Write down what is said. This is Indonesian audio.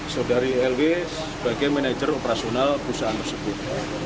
saudari lw sebagai manajer operasional perusahaan tersebut